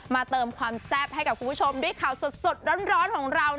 เติมความแซ่บให้กับคุณผู้ชมด้วยข่าวสดร้อนของเรา